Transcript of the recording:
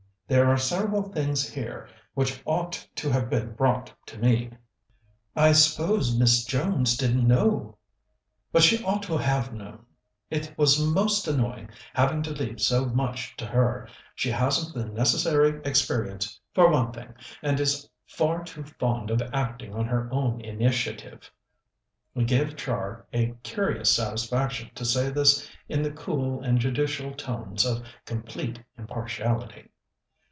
"There are several things here which ought to have been brought to me." "I suppose Miss Jones didn't know." "But she ought to have known. It was most annoying having to leave so much to her. She hasn't the necessary experience for one thing, and is far too fond of acting on her own initiative." It gave Char a curious satisfaction to say this in the cool and judicial tones of complete impartiality.